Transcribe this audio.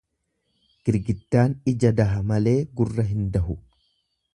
Girgiddaan ija daha malee gurra hin dahu.